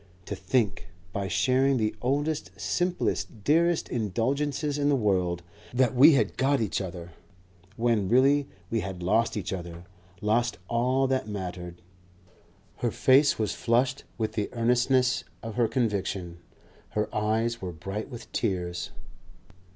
To think, by sharing the oldest, simplest, dearest indulgences in the world, that we had got each other. When really we had lost each other, lost all that mattered...." Her face was flushed with the earnestness of her conviction. Her eyes were bright with tears.